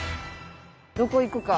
どこ行くか？